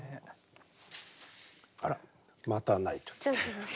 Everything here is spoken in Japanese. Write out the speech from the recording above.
あらまた泣いちゃった。